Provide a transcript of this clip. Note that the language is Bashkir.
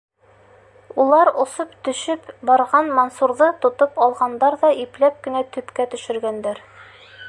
Улар осоп төшөп барған Мансурҙы тотоп алғандар ҙа ипләп кенә төпкә төшөргәндәр.